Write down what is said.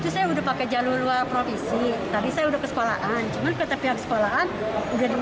sudah pakai jalur luar provisi tadi saya udah ke sekolahan cuman kita pihak sekolahan udah